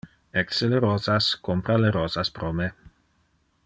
Ecce le rosas, compra le rosas pro me.